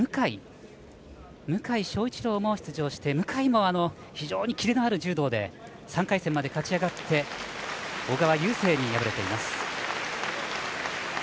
向翔一郎も出場して向も非常にキレのある柔道で３回戦まで勝ち上がって小川雄勢に敗れています。